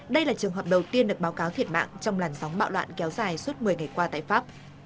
đây là trường hợp đầu tiên được báo cáo thiệt mạng trong làn sóng bạo loạn kéo dài suốt một mươi ngày qua tại pháp